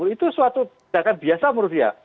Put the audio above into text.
itu suatu tindakan biasa menurut dia